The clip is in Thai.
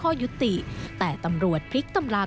ซื้อด้วยเนื้อที่สุดตกแค่นี้ให้ทำอะไร